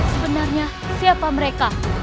sebenarnya siapa mereka